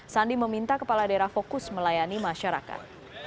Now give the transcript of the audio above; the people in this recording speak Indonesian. sandi meminta kepala daerah fokus melayani masyarakat